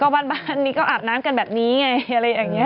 บ้านนี้ก็อาบน้ำกันแบบนี้ไง